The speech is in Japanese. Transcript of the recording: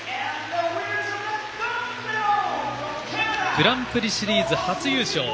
グランプリシリーズ初優勝